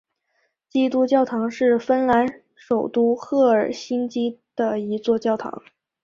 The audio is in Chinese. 基督教堂是芬兰首都赫尔辛基的一座教堂。